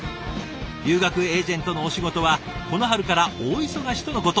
留学エージェントのお仕事はこの春から大忙しとのこと。